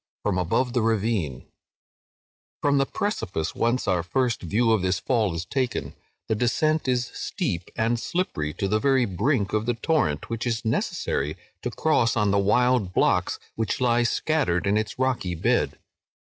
(FROM ABOVE THE RAVINE) From the precipice whence our first view of this Fall is taken, the descent is steep and slippery to the very brink of the torrent, which it is necessary to cross on the wild blocks which lie scattered in its rocky bed.